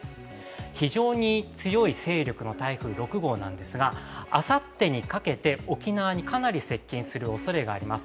非常に強い勢力の台風６号なんですが、あさってにかけて沖縄にかなり接近するおそれがあります。